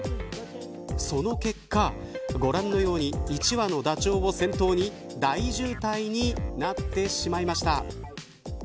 その結果、ご覧のように１羽のダチョウを先頭に大渋滞になってしまいました。